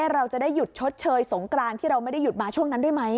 เราจะได้หยุดชดเชยสงกรานที่เราไม่ได้หยุดมาช่วงนั้นด้วยไหม